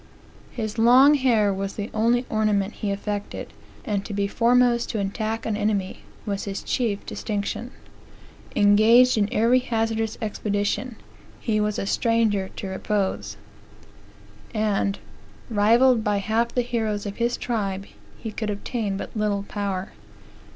"His long hair was the only ornament he affected, and to be foremost to attack an enemy was his chief distinction. Engaged in every hazardous expedition, he was a stranger to repose; and, rivalled by half the heroes of his tribe, he could obtain little power.